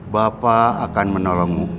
bapak akan menolongmu